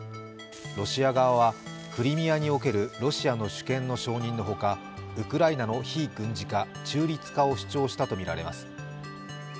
ロシア側はクリミアにおけるロシアの主権の承認のほかウクライナの非軍事化、中立化を主張したとみられます。